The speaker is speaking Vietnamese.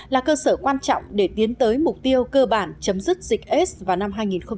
là cơ sở quan trọng để tiến tới mục tiêu cơ bản chấm dứt dịch s vào năm hai nghìn ba mươi